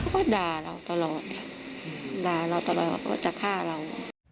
ก็ด่าเราตลอดด่าเราตลอดว่าจะฆ่าเรา